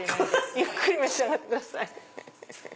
ゆっくり召し上がってください。